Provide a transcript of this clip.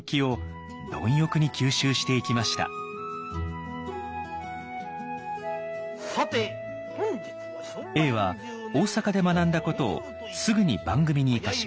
永は大阪で学んだことをすぐに番組に生かします。